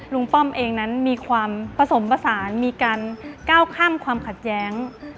ป้อมเองนั้นมีความผสมผสานมีการก้าวข้ามความขัดแย้ง